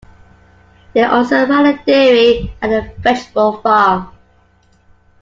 They also ran a dairy and a vegetable farm.